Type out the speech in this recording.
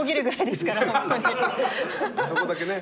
あそこだけね。